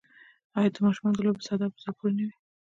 آیا د ماشومانو لوبې ساده او په زړه پورې نه وي؟